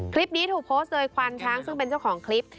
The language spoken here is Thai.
คลิปนี้ถูกโพสต์โดยควานช้างซึ่งเป็นเจ้าของคลิป